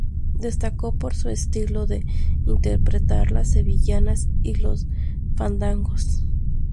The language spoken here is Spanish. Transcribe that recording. Destacó por su estilo de interpretar las Sevillanas y los Fandangos.